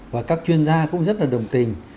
và các chuyên gia cũng rất là đồng tình